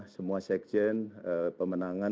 semua seksyen pemenangan